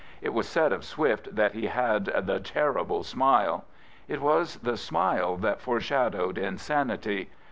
It was said of Swift that he had " the terrible smile." It was the smite 'that foreshadowed insanity.